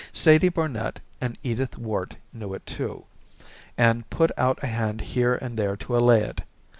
Sadie Barnet and Edith Worte knew it, too, and put out a hand here and there to allay it.